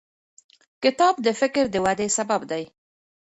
کتاب د فکر د ودې سبب دی.